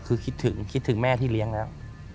คือคิดถึงคิดถึงแม่ที่เลี้ยงแล้ว